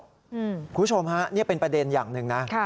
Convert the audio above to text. คุณผู้ชมฮะนี่เป็นประเด็นอย่างหนึ่งนะ